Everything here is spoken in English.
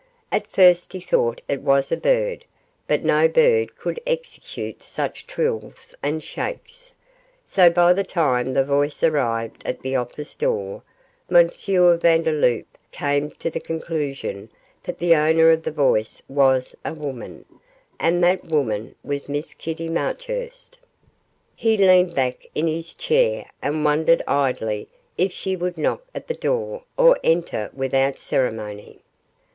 At first he thought it was a bird, but no bird could execute such trills and shakes, so by the time the voice arrived at the office door M. Vandeloup came to the conclusion that the owner of the voice was a woman, and that the woman was Miss Kitty Marchurst. He leaned back in his chair and wondered idly if she would knock at the door or enter without ceremony.